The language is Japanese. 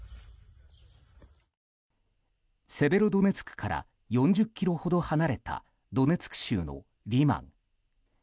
セベロドネツクから４０ｋｍほど離れたドネツク州のリマン。